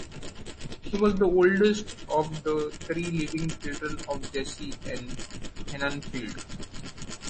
She was the oldest of the three living children of Jesse and Hannah Field.